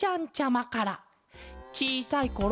「ちいさいころ